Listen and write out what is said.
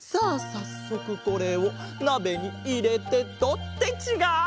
さっそくこれをなべにいれてと。ってちがう！